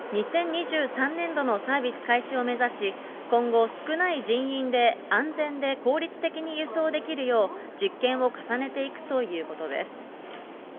２０２３年度のサービス開始を目指し、今後、少ない人員で安全で効率的に輸送できるよう、実験を重ねていくということです。